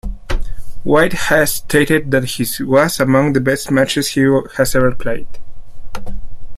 White has stated that this was among the best matches he has ever played.